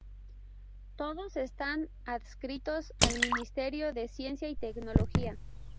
Todos están adscritos al Ministerio de Ciencia y Tecnología.